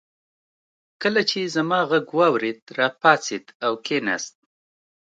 کله چې يې زما غږ واورېد راپاڅېد او کېناست.